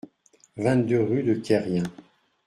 vingt-deux rue de Querrien